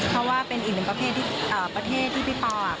เพราะว่าเป็นอีกหนึ่งประเภทที่พี่ปอล์